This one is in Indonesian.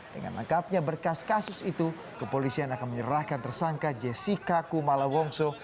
dengan lengkapnya berkas kasus itu kepolisian akan menyerahkan tersangka jessica kumala wongso